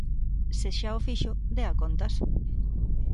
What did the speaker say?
Se xa o fixo, dea contas.